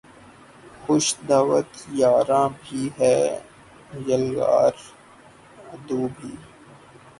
خوش دعوت یاراں بھی ہے یلغار عدو بھی